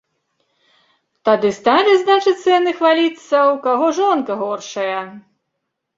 Тады сталі, значыцца, яны хваліцца, у каго жонка горшая.